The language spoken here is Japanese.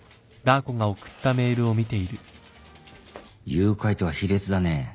誘拐とは卑劣だねぇ。